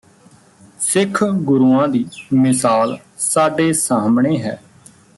ਸਿੱਖ ਗੁਰੂਆਂ ਦੀ ਮਿਸਾਲ ਸਾਡੇ ਸਾਹਮਣੇ ਹੈ